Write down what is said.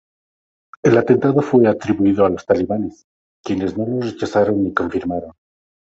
El atentado fue atribuido a los talibanes, quienes no lo rechazaron ni confirmaron.